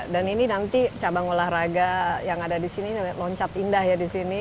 dan ini nanti cabang olahraga yang ada di sini loncat indah ya di sini